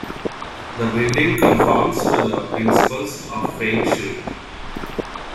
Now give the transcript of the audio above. The building conforms to the principles of feng shui.